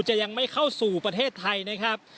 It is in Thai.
จะยังไม่เข้าสู่ประเทศไทยนะครับ